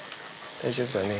大丈夫だね。